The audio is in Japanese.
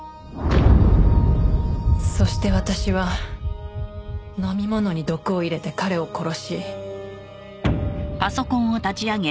そして私は飲み物に毒を入れて彼を殺し。